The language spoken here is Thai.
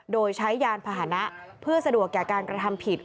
โดยใช้ยานพาหนะเพื่อสะดวกแก่การกระทำผิด